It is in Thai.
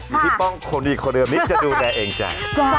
มีพี่ป้องคนดีคนเดิมนี้จะดูแลเองใจ